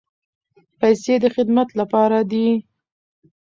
پیسې د خدمت لپاره دي.